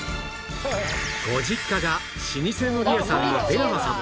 ご実家が老舗海苔屋さんの出川さん